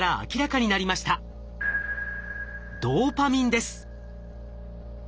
ドーパミンです。